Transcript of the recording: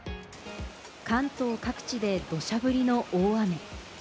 関東各地で土砂降りの大雨。